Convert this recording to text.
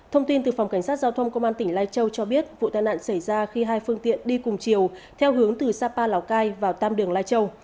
thông tin từ phòng cảnh sát giao thông công an tỉnh lai châu cho biết vụ tai nạn xảy ra khi hai phương tiện đi cùng chiều theo hướng từ sapa lào cai vào tam đường lai châu